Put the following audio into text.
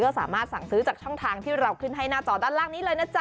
ก็สามารถสั่งซื้อจากช่องทางที่เราขึ้นให้หน้าจอด้านล่างนี้เลยนะจ๊